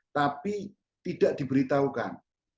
tapi tidak diberitahukan